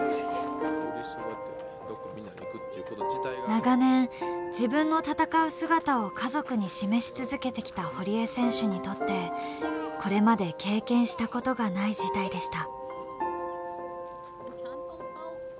長年自分の戦う姿を家族に示し続けてきた堀江選手にとってこれまで経験したことがない事態でした。